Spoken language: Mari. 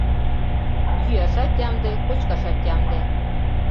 Йӱашат ямде, кочкашат ямде